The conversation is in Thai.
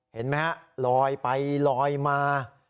เห็นไหมฮะลอยไปลอยมา